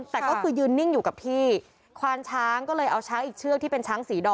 แต่ก็คือยืนนิ่งอยู่กับที่ควานช้างก็เลยเอาช้างอีกเชือกที่เป็นช้างสีดอ